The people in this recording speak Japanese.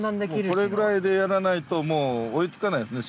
これぐらいでやらないと追いつかないですね